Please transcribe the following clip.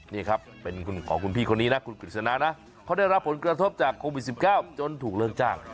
นี่ครับเป็นของคุณพี่คนนี้นะคุณกฤษณะนะเขาได้รับผลกระทบจากโควิด๑๙จนถูกเลิกจ้าง